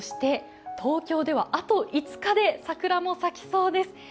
東京ではあと５日で桜も咲きそうです。